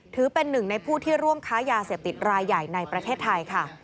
ถือเป็นหนึ่งในผู้ที่ร่วมค้ายาเสพติดรายใหญ่ในประเทศไทยค่ะ